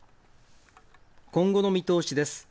今後の見通しです。